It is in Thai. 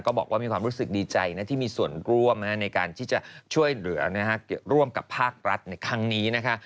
บอกว่ามีความรู้สึกดีใจนะที่มีส่วนร่วมในการที่จะช่วยเหลือร่วมกับภาครัฐในครั้งนี้นะคะ